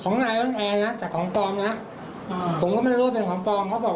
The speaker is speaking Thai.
โทรกลับมาเสร็จเขาบอกให้เราแอดไทกับเขาเลย